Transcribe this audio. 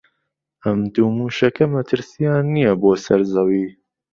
ئەم دوو مووشەکە مەترسییان نییە بۆ سەر زەوی